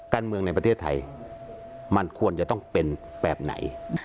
การเมืองในประเทศไทยมันควรจะต้องเป็นแบบไหน